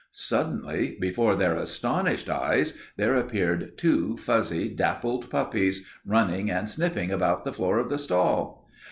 Suddenly before their astonished eyes there appeared two fuzzy, dappled puppies, running and sniffing about the floor of the stall.